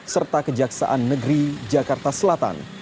serta kejaksaan negeri jakarta selatan